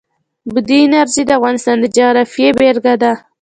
بادي انرژي د افغانستان د جغرافیې بېلګه ده.